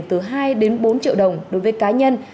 từ hai đến bốn triệu đồng đối với cá nhân